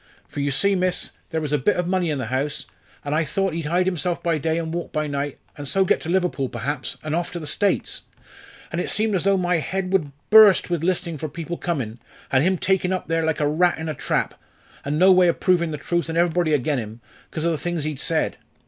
For you see, miss, there was a bit of money in the house, an' I thought he'd hide himself by day and walk by night, and so get to Liverpool perhaps, and off to the States. An' it seemed as though my head would burst with listening for people comin', and him taken up there like a rat in a trap, an' no way of provin' the truth, and everybody agen him, because of the things he'd said.